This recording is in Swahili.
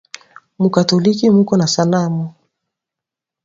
Mu katholika muko ma sanamu